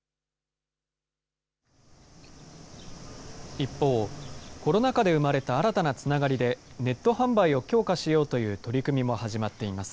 一方、コロナ禍で生まれた新たなつながりで、ネット販売を強化しようという取り組みも始まっています。